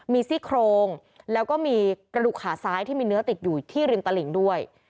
มีซี่โครงแล้วก็มีกระดูกขาซ้ายที่มีเนื้อติดอยู่ที่ริมตลิ่งด้วย